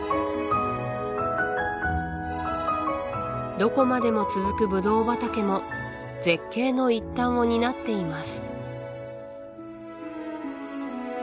どこまでも続くブドウ畑も絶景の一端を担っています